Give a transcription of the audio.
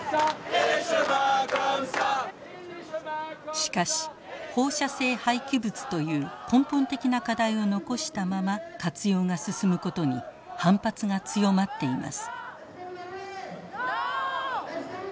しかし放射性廃棄物という根本的な課題を残したまま活用が進むことに反発が強まっています。